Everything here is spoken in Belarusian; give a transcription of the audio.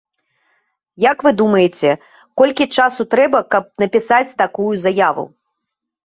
Як вы думаеце, колькі часу трэба, каб напісаць такую заяву?